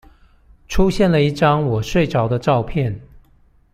出現了一張我睡著的照片